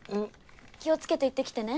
気をつけて行ってきてね。